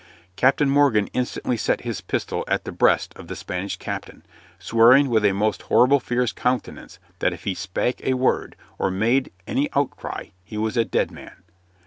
Captain Morgan instantly set his pistol at the breast of the Spanish captain, swearing with a most horrible fierce countenance that if he spake a word or made any outcry he was a dead man.